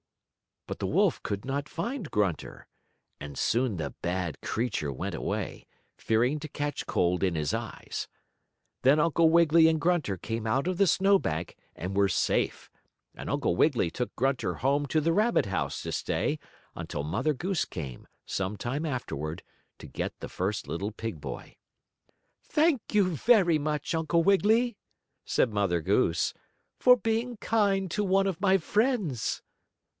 But the wolf could not find Grunter, and soon the bad creature went away, fearing to catch cold in his eyes. Then Uncle Wiggily and Grunter came out of the snow bank and were safe, and Uncle Wiggily took Grunter home to the rabbit house to stay until Mother Goose came, some time afterward, to get the first little pig boy. "Thank you very much, Uncle Wiggily," said Mother Goose, "for being kind to one of my friends."